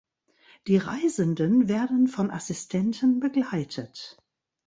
Die Reisenden werden von Assistenten begleitet.